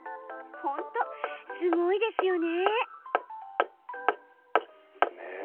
本当、すごいですよね。